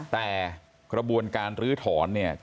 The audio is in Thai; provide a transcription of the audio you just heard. แต่กระบวนการลื้อถอนเนี่ย